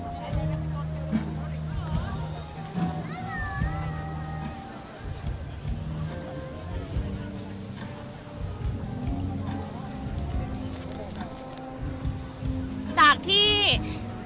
เชื่อหรือเกินค่ะคุณผู้ชมว่าข้ามคืนนี้นะคะแสงเพียรนับพันนับร้อยเล่มนะคะ